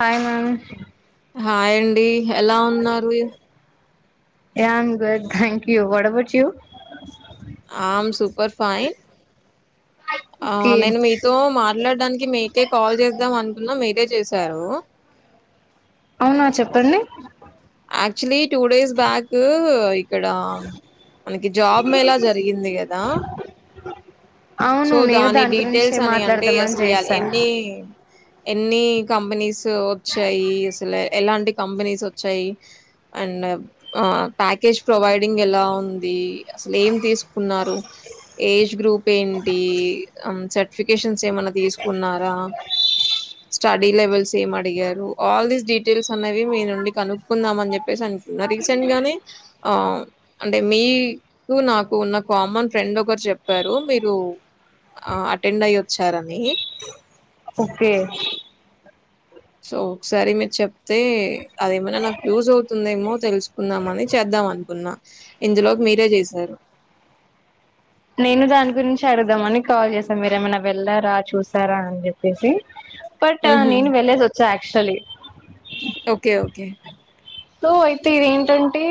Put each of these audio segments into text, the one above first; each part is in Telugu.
హాయ్ మామ్ హాయండి ఎలా ఉన్నారు yeah I'm good thank you what about you am super fine ఆ ఓకే నేను మీతో మాట్లాడడానికి మీకే కాల్ చేద్దాం అనుకున్నా మీరే చేశారు అవునా చెప్పండి అక్క్యూయల్లీ టూ డేస్ బ్యాక్ ఇక్కడ మనకి జాబ్ మేలా జరిగింది కదా సో అవును నేను దాని గురించే డీటెయిల్స్ అని అంటే మాట్లాడదామని అసలు ఇ చేసా ఎన్ని ఎన్ని కంపెనీస్ వచ్చాయి అసలు ఎలాంటి కంపెనీస్ వచ్చాయి అండ్ ప్యాకేజ్ ప్రొవైడింగ్ ఎలా ఉంది అసలు ఏం తీసుకున్నారు ఏజ్ గ్రూప్ ఏంటి సర్టిఫికేషన్స్ ఏమన్నా తీసుకున్నారా స్టడీ లెవెల్స్ ఎం అడిగారు ఆల్ దీస్ డీటెయిల్స్ అనేవి మీ నుండి కను కుందామని చెప్పేసి అనుకున్నా రీసెంట్ గానే ఆ అంటే మీకు నాకు ఉన్న కామన్ ఫ్రెండ్ ఒకరు చెప్పారు మీరు అటెండ్ అయొచ్చారని ఓకే సో ఒకసారి మీరు చెప్తే అదేమనా నాకు యూజ్ అవుతుందేమో తెలుసుకుందామని చేద్దాం అనుకున్నా ఇందులోకి మీరే చేశారు నేను దాని గురించి చేడదామని కాల్ చేసాం మీరేమైనా వెళ్ళారా చూసారా అని జెప్పేసి బట్ హుహు. నిన్ వెల్లెసోచ్చా క్షలి ఓకే ఓకే సో అయితే ఏంటంటే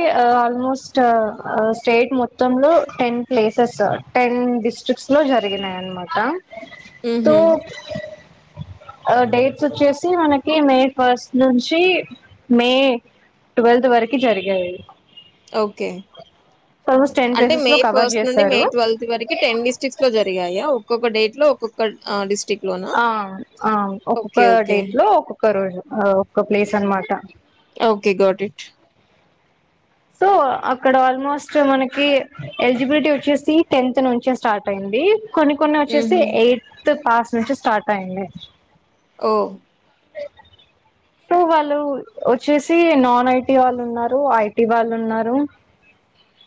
ఆల్మోస్ట్ స్టేట్ మొత్తంలో టెన్ ప్లేసెస్ టెన్ డిస్ట్రిక్ట్స్ లో జరిగినాయనమాట ఊహు ఆ డేట్స్ వచ్చేసి మనకి మే ఫస్ట్ నుంచి మే ట్వెల్త్ వరకు జరిగాయి ఓకే ఆల్మోస్ట్ టెన్ అంటే ప్లేసెస్ మే లో కవర్ ఫస్ట్ నుండి మే చేశారు ట్వెల్త్ వరకు టెన్ డిస్టిక్ట్స్ లో జరిగాయా ఒక్కొక్క డేట్ లో ఒక్కొక్క ఆ డిస్టిక్ట్ ఆ ఆఒక్కొక్క ఓకే. డేట్ లో ఒక్కొక్క రోజు ఒ ప్లేస్ అనమాట ఓకే గాట్ ఇట్ సో అక్కడ ఆల్మోస్ట్ మనకి ఎలిజిబిలిటీ వచ్చేసి టెన్త్ నుంచే స్టార్ట్ అయింది కొన్ని కొన్ని వచ్చేసి హుహు. ఎయిట్ పాస్ నుంచి స్టార్ట్ అయినాయ్ ఓ సో వాళ్ళు వచ్చేసి నాన్ ఐటీ వాళ్ళు ఉన్నారు ఐటీ వాళ్ళు ఉన్నారు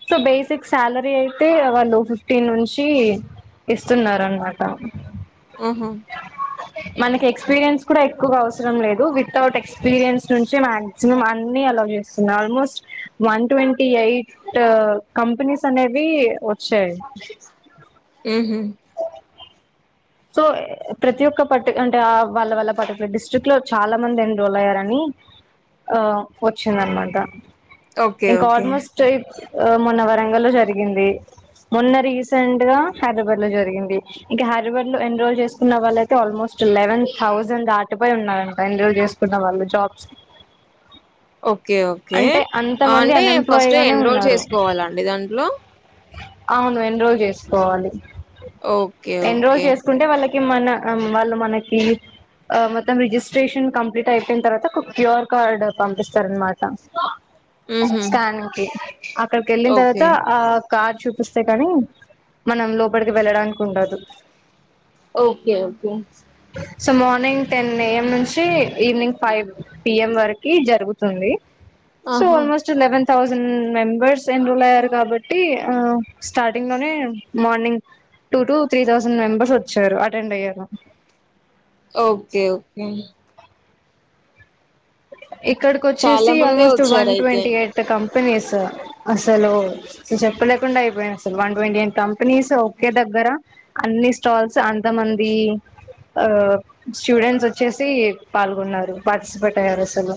సో బేసిక్ సాలరీ అయితే వాళ్ళు ఫిఫ్టీన్ నుంచి ఇస్తున్నారనమాట ఊహు మనకి ఎక్స్పీరియన్స్ కూడా ఎక్కువగా అవసరం లేదు విత్ విథౌట్ ఎక్స్పీరియన్స్ నుంచి మాక్సిమం అన్ని అలా చేస్తున్నా almost one twenty eight companies అనేవి వచ్చాయి ఊహు సో ప్రతి ఒక్క పర్టి అంటే ఆ వాళ్ళ వాళ్ళ పర్టికులర్ డిస్ట్రిక్ట్ లో చాలా మంది ఎన్రోల్ అయ్యారని ఆ వచ్చిందనమాట ఓకే. ఇంక ఓకే. ఆల్మోస్ట్ ఆ మొన్న వరంగ లో జరిగింది మొన్న రీసెంట్ గా హైదరాబాద్ లో జరిగింది ఇంకా హై హైద్రాబాద్ లో ఎన్రోల్ చేసుకున్న వాళ్ళయితే ఆల్మోస్ట్ లెవెన్ థౌజండ్ దాటిపోయి ఉన్నారు అంటా ఎన్రోల్ చేసుకున్న వాళ్ళు జాబ్స్ ఓకే ఓకే అంటే అంత మంది అంటే అన్ఎంప్లాయ్ ఫస్ట్ గానే ఎన్రోల్ ఉన్నారు చేసుకోవాలండి దాంట్లో అవును ఎన్రోల్ జేసుకోవాలి ఓకే ఎన్రోల్ ఓకే. జేసుకుంటే వాళ్ళకి మన మనకి వాళ్ళు మనకి మొత్తం రిజిస్ట్రేషన్ కంప్లీట్ అయిపోయిన తర్వాత ఒక క్యూఆర్ కార్డ్ పంపిస్తారునమాట హుహు. స్కానింగ్ కి అక్కడికి యెళ్ళిన ఓకే. తర్వాత ఆ కార్ చూపిస్తే కాని మనం లోపలికి వెళ్ళడానికి ఉండదు okay okay so morning ten A M నుంచి ఈవినింగ్ ఫైవ్ పి ఎమ్ వరకి జరుగుతుంది సో ఆహా! Almost eleven thousand members enrol అయ్యారు కాబట్టి ఆ స్టార్టింగ్ లోనే morning two to three thousand members వచ్చారు అటెండ్ అయ్యారు ఓకే ఓకే ఇక్కడికి చాలా వచ్చేసి మందే ఆల్మోస్ట్ వన్ వచ్చారైతే. ట్వంటీ ఎయిట్ కంపెనీస్ అసలు సో చెప్పలేకుండా అయిపోయింది అసలు వన్ ట్వంటీ ఎయిన్ కంపెనీస్ ఒకే దగ్గర అన్ని స్టాల్స్ అంతమంది ఆ స్టూడెంట్స్ వచ్చేసి పాల్గొన్నారు పార్టిసిపేట్ తయారు అసలు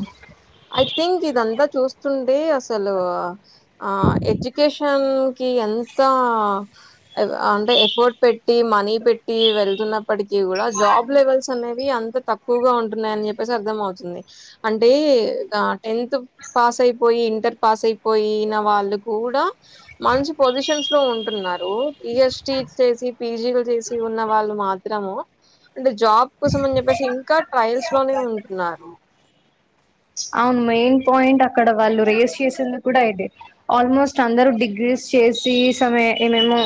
ఐ థింక్ ఇదంతా చూస్తుంటే అసలు ఆ ఎడ్యుకేషన్ కి ఎంత అంటే ఎఫర్ట్ పెట్టి మనీ పెట్టి వెళ్తున్నప్పటి కీ కూడా జాబ్ లెవెల్స్ అనేవి వే అంత తక్కువగా ఉంటున్నాయని జెప్పేసి అర్థం అవుతుంది అంటే ఇగ టెన్త్ పాస్ అయిపోయి ఇంటర్ పాస్ అయిపోయిన వాళ్ళు కూడా మంచి పొజిషన్స్ లో ఉంటున్నారు. పి హెచ్ డి చేసి పీజీలు చేసి ఉన్న వాళ్ళు మాత్రము అంటే జాబ్ కోసం అని చెప్పేసి ఇంకా ట్రయల్స్ లోనే ఉంటున్నారు. అవును మెయిన్ పాయింట్ అక్కడ వాళ్ళు రేజ్ చేసింది కూడా ఇదే ఆల్మోస్ట్ అందరూ డిగ్రీస్ చేసి స ఏమేమో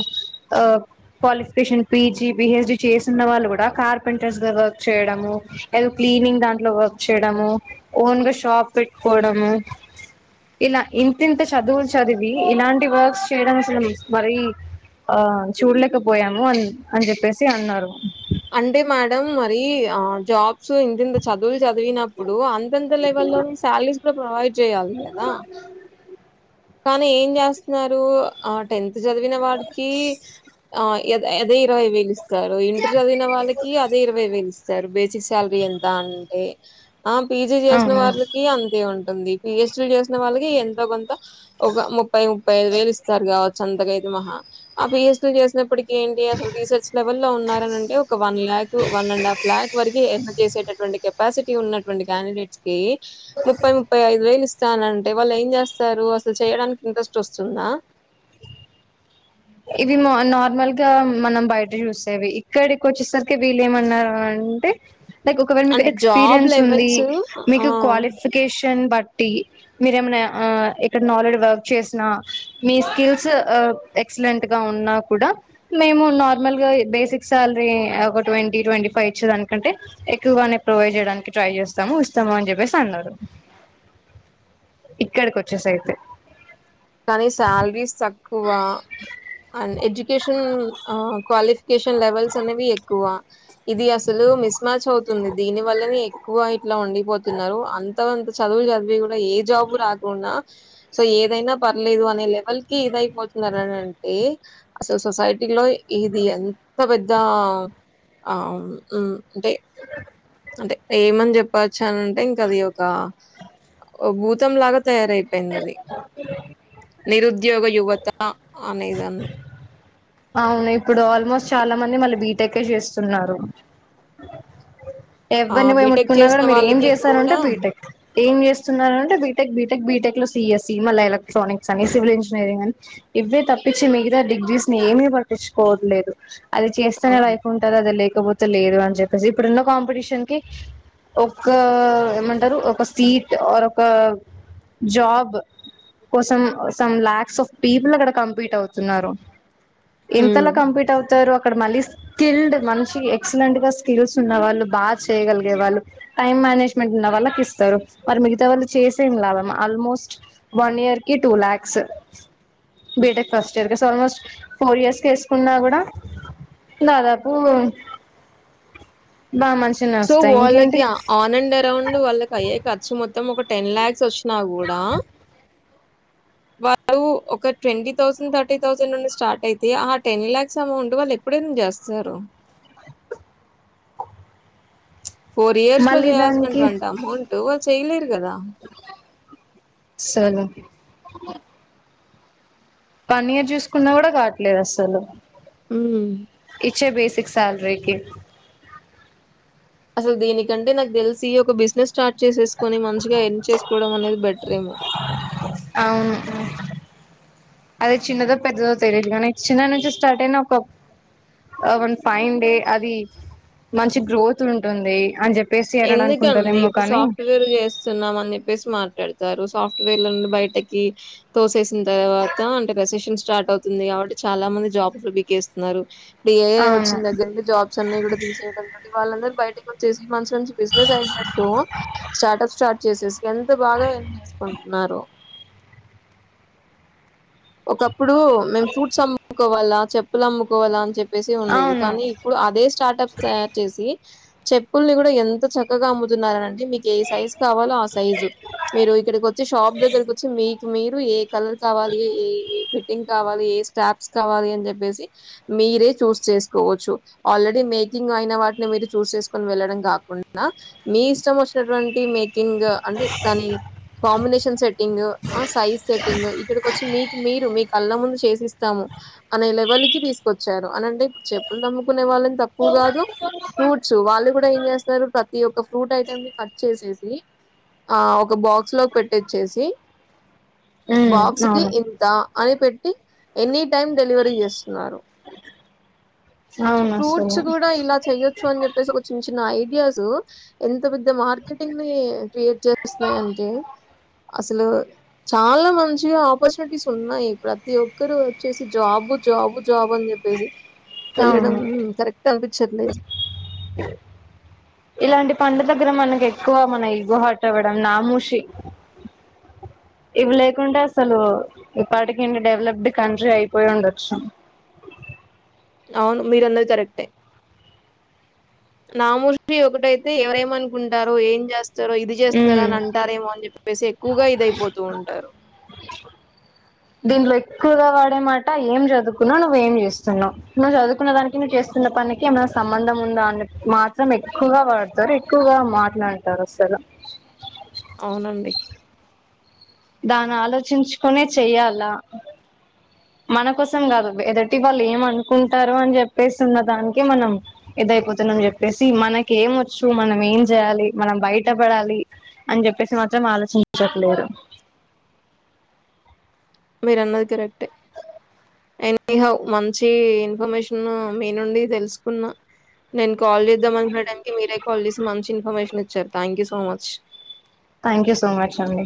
qualification PG, P H D చేసివున్న వాళ్ళు కూడా కార్పెంటర్స్ గావర్క్ చేయడము లేదా క్లీనింగ్ దాంట్లో వర్క్ చేయడము ఓన్ గా షాప్ పెట్టుకోవడము ఇలా ఇంతింత చదువులు చదివి ఇలాంటి వర్క్స్ చేయడం, అసలు మరీ ఆ చూడలేకపోయాము అన్ అని చెప్పేసి అన్నారు. అంటే మేడం మరి ఆ జాబ్ సో ఇంతింత చదువులు చదివినప్పుడు అంతంత లెవెల్లోనె శాలరీస్ ప్రొ ప్రొవైడ్ జేయాలి గదా కానీ ఏం జేస్నారు ఆ టెన్త్ జదివిన వాడికి ఆ ఎద అదే ఇరవై లిస్ స్తరు ఇంటర్ చదివిన వాళ్ళకి అదే ఇరవై వేలు ఇస్తారు బేసి చ్చే సాలరీ ఎంత అంటే ఆ పీజీ చేసిన అవును వాళ్ళకి అంతే ఉంటుంది పి హెచ్ డీలు చేసిన వాళ్ళకి ఎంతో కొంత ఒక ముప్పై ముప్పై ఐదు వేలు ఇస్తారు కావచ్చు అంతగైతే మహా ఆ పి హెచడ్డిలు చేసినప్పటికి ఏంటి అసలు రీసెర్చ్ లెవెల్ లో ఉన్నారని అంటే ఒక one lakh one and half lakh వరకి ఎర్న్ చేసేటువంటి కె పాసిటీ ఉన్నటువంటి క్యాండిడేట్స్ కి ముప్పై ముప్పై ఐదు వేలు ఇస్ చానంటే వాళ్ళు ఏం చేస్తారు అ స్సల్ చేయడానికి ఇంట్రెస్టు వస్తుందా ఇవి మా నార్మల్గా మనం బయట చూసేవి ఇక్కడికి వచ్చేసరికి వీళ్ళు ఏమన్నారు అంటే లైక్ ఒకవేళ మీకు అంటే జాబ్ ఎక్స్పీరియన్స్ ఉంది లెవెల్స్ మీకు ఆ! క్వాలిఫికేషన్ బ ట్టి మీరేమన్నా ఆ ఎక్కడనా ఆల్రెడి వర్క్ చేసిన మీ స్కిల్స్ ఆ ఎ క్సలెంట్ గా ఉన్నా కూడా మేము నార్మల్ గా బేసిక్ శాలరీ ఒక ట్వంటీ ట్వంటీ ఫైవ్ ఇచ్చేదానికంటే ఎక్కువగానే ప్రొవైడ్ చేయడానికి ట్రై చేస్తాము, ఇస్తాము అని చెప్పేసి అన్నారు. ఇక్కడికి వచ్చేసి అయితే కానీ శాలరీస్ తక్కువ అన్ ఎడ్యుకేషన్ ఆ క్వాలిఫికేషన్ లెవెల్స్ అనేవి ఎక్కువ ఇది అసలు మిస్ మాచ్ అవుతుంది దీని వల్లని ఎక్కువ ఇట్లా ఉండిపోతున్నారు అంత వంత చదువులు చదివి కూడా ఏ జాబ్ రాకుండా సో ఏదైనా పర్లేదు అనే లెవెల్ కి ఇదయిపోతున్నరనినంటే, అసలు సొసైటీ లో ఇది ఎంత బద్ ద్దా ఆం ఉం టే అంటే ఏమని చెప్పచ్చు అనంటే ఇంకా అది ఒక, ఒ భూతం లాగా తయారయిపెందిదది నిరుద్యోగ యువత ఆ అనేదాన్ని అవును ఇప్పుడు ఆల్మోస్ట్ చాలా మంది మళ్ళీ బీటెకే చేస్సున్నారు. ఆ! ఎవ్వరిని పోయ్ బీటెక్ ముట్కున్నా కూడా చేసిన మీరు ఏం వాళ్ళకి చేస్సానంటే కూడా బీటెక్ ఏం చేస్సున్నారంటే బీటెక్ బీ టెక్ బీటెక్ లో సిఎస్సి మళ్ళా ఎలక్ట్రానిక్స్ అనేసి సివిల్ ఇంజనీరింగ్ అని ఇవే తప్పిచ్చి మిగతా డిగ్రీస్ ఏమీ పట్టించుకోవట్లేదు. అది చేస్తేనే అవును. లైఫ్ ఉంటది అది లే కపోతే లేరు అని చెప్పేసి ఇప్పుడున్న కాంపిటీషన్ కి, ఒక ఏమంటారు ఒక సీట్ ఆర్ ఒక జాబ్ కోసం సమ్ లాక్స్ ఆఫ్ పీపుల్ అక్కడ కంపీట్ అవుతున్నారు. ఇంతలా హ్మ్. కంప్లీట్ అవుతారు. అక్కడ మళ్ళీ స్కిల్డ్ మనిషి ఎక్సలెంట్ గా స్కిల్స్ ఉన్న వాళ్ళు బా చేయగలిగే వాళ్ళు టైమ్ మేనేజ్మెంట్ ఉన్న వాళ్ళకి ఇస్తారు, మరి మిగతా వాళ్ళు చేసేం లాభం ఆల్మోస్ట్, వన్ ఇయర్ కి two lakhs, BTech first year కి సోల్మోస్ ఫోర్ ఇయర్స్ కు ఎసుకున్నా కూడా, దాదాపు బాగా మంచినే సో వస్తాయి ఇంకేంటి వొళ్ళకి ఆన్ అండ్ అరౌండ్ వాళ్ళకి అయ్యే ఖర్చు మొత్తం ఒక టెన్ లాక్స్ ఒచ్ నా గుడా వాళ్ళు ఒక ట్వంటీ థౌసండ్ థర్టీ థౌసండ్ నుండి స్టార్ట్ అయితే ఆ టెన్ లాక్స్ అమౌంట్ వాళ్ళు ఎప్పుడైన జెస్సారు. ఫోర్ ఇయర్స్ లో మళ్ళీ చేయాల్సినట్ వంటా అమౌంట్ చేయ్ లేర్ సలు అ వన్నీయర్ జూసుకున్నా కూడా కావట్లేదు అస్సలు ఉ చ్చే బేసిక్ సాల్రీకి దీనికంటే నాక్ తెల్సి ఒక బిజినెస్ స్టార్ట్ చేసేసుకొని మంచిగా ఎర్న్ చేసుకోవడం అనేది బెట్ ఐను అదే చిన్నదో పెద్దదో తెలీదు కానీ చిన్న నుంచి స్టార్ట్ ఐన ఒక, అ వన్ ఫైన్ డే అది, మంచి గ్రోత్ ఉంటుంది అని చెప్ ఎందుకండి ఇప్పుడు సాఫ్ట్వేర్ ఎస్తున్నాం అని చెప్పేసి మాట్లాడ్ తరు సాఫ్ట్వేర్ల నుండి బయటకి, తోసేసిన్ తర్వాత అంటే రసెషన్ స్టార్ట్ అవుతుంది కాబట్టి చాలా మంది జాబ్లు బికేస్తున్నారు. డి ఏఐ అవును వచ్చిన దగ్గర జాబ్స్ అన్ని కూడా తీసేయడంతో వాళ్ళందరు బయటకి వచ్చేసి మంచి బిజినెస్ ఐడియాస్ తో స్టార్టెస్ స్టార్ట్ చేసేసి ఎంత బాగా ఎర్న్ చేసుకుంటున్నారో ఒక ఇప్పుడు మేము ఫ్రూట్స్ అము కోవాలా చెప్పులు అమ్ముకోవాల అని చెప్పి చెప్పేసి ఉండేది అవును కానీ ఇప్పుడు అదే స్టాటస్ తయారు చేసి చెప్పుల్ని కూడా ఎంత చక్కగా అమ్ముతున్నారనం మీకు ఏ సైజ్ కావాలో ఆ సైజు మీరు ఇక్కడికి వచ్చి షాప్ దగ్గరకి వచ్చి మీ మీరు ఏ కలర్ కావాలి ఫిట్టింగ్ కావాలి ఏ స్టాప్స్ కావాలి అని చెప్పేసి మీరే చూస్ చేసుకోవచ్చు ఆల్రెడీ మేకింగ్ అయిన వాటిని మీరు చూస్ చేసుకొని వెళ్ళడం కాకుండా మీ ఇష్టం వచ్చినటువంటి మే కంగ్ అంటే దాని కాంబినేషన్ సెట్టింగ్ సైజ్ సెట్టింగ్ ఇక్కడికి వచ్చి మీ మీరు మీ కళ్ళ ముందు చేసిస్తాము అనే లెవల్ కి తీసుకొచ్చారు అంటే ఇప్పుడు చెప్పులు అమ్ముకునే వాళ్ళని తక్కువ కాదు ఫ్రూట్స్ వాళ్ళు కూడా ఏం చేస్తారు ప్రతి ఒక్క ఫ్రూట్ ఐటమ్ కట్ చేసేసి ఆ ఒక బాక్స్ లోకి పెట్టిచ్చేసి ఉ అవును అని పెట్టి ఎనీ టైమ్ డెలివరీ చేస్తున్నారు అవును ఫ్రూట్స్ అసలు కూడా ఇలా చెయొచ్చు అని చెప్పేసి ఒక చిన్న చిన్న ఐ ఐడియాస్ ఎంత పెద్ద మార్కెటింగ్ ని క్రియేట్ చేస్తున్నాయే అసలు చాలా మంచిగా ఆపర్చ స్ ఉన్నాయి ప్రతి ఒక్కరు వచ్చేసి జాబు జాబు జాబ్ అని చెప్పేసి వెళ్లడం అవును కరెక్ట్ అనిపించట్లేదు పండు దగ్గరం మనకి ఎక్కువ మన ఈగో హర్ట్ అవడంనామూషి ఇవి లేకుంటడా అసలు ఇప్పటిక ఏంటి డెవలప్డ్ కంట్రీ అయిపోయి ఉండొచ్చు అవును మీరు అన్నది కరెక్టే నామూషి ఒకటైతే ఎవరేమనుకుంటారో ఏం చేస్త ఇది చేస్తున్నారు ఉమ్ అని అంటారేమో అని చెప్పేసి ఎక్కువగా ఇద అయిపోతూ ఉంటారు, దీంట్లో ఎక్కువగా వాడేమాట ఏం చదువుకున్నావు నువ్వు ఏం చేస్తున్నావు నువ్వు చదువుకున్న దానికి నువ్వు చేస్తున్న పనినికి ఏమైనా సంబంధం ఉందా అని మాత్రం ఎక్కువగా వాడతారు ఎక్కువగా మాట్లాడుతారు అసలు అవునండి దాన్ని ఆలోచించుకునే చెయ్యాలా మన కోసం కాదు ఎదటి వాళ్ళు ఏమ అనుకుంటారు అని చెప్పేసి ఉన్న దానికే మనం ఇదయిపోతున్నాం అని చెప్పేసి మనక ఏమ వచ్చు మనం ఏం చేయాలి మనం బయట పడాలి అని చెప్పేసి మాత్రం ఆలోచించట్లేరు మీరు అన్నది కరెక్ట్ ఎనీ హో మంచి ఇన్ఫర్మేషన్ మీ నుండి తెలుసుకున్నా నేను కాల్ చేద్దాంనుకుడానికి మీరే కాల్ చేసి మంచి ఇన్ఫర్మేషన్ ఇచ్చారు thank you so much, thank you so much అండి